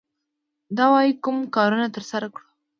دا وايي کوم کارونه ترسره کړو.